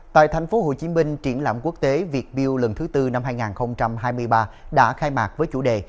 tại tp hcm triển lãm quốc tế việt build lần thứ tư năm hai nghìn hai mươi ba đã khai mạc với chủ đề